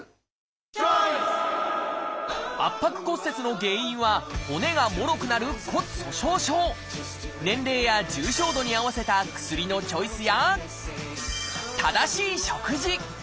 圧迫骨折の原因は骨がもろくなる年齢や重症度に合わせた薬のチョイスや正しい食事。